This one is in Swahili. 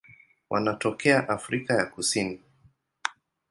Wanatokea Afrika ya Kusini.